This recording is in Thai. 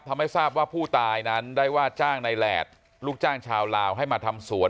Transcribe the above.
ทำให้ทราบว่าผู้ตายนั้นได้ว่าจ้างในแหลดลูกจ้างชาวลาวให้มาทำสวน